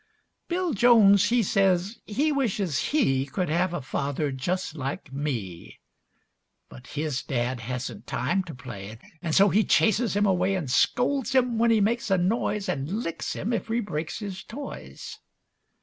Bill Jones, he says, he wishes he Could have a father just like me, But his dad hasn't time to play, An' so he chases him away An' scolds him when he makes a noise An' licks him if he breaks his toys.